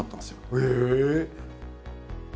へえ！